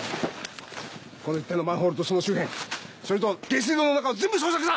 この一帯のマンホールとその周辺それと下水道の中を全部捜索だ！！